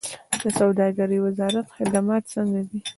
د سوداګرۍ وزارت خدمات څنګه دي؟